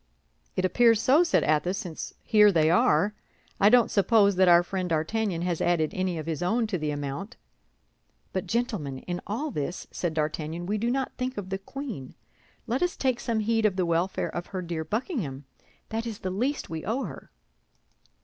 "It appears so," said Athos, "since here they are. I don't suppose that our friend D'Artagnan has added any of his own to the amount." "But, gentlemen, in all this," said D'Artagnan, "we do not think of the queen. Let us take some heed of the welfare of her dear Buckingham. That is the least we owe her."